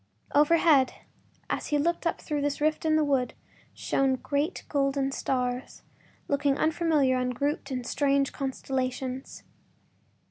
Overhead, as he looked up through this rift in the wood, shone great golden stars looking unfamiliar and grouped in strange constellations.